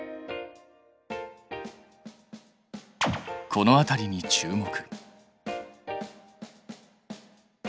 この辺りに注目。